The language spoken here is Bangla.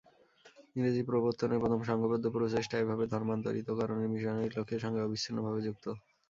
ইংরেজি প্রবর্তনের প্রথম সংঘবদ্ধ প্রচেষ্টা এভাবে ধর্মান্তরিতকরণের মিশনারি লক্ষ্যের সঙ্গে অবিচ্ছিন্নভাবে যুক্ত।